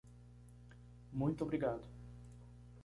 Muito obrigado!